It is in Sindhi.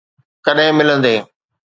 ڪڏھن ملندين؟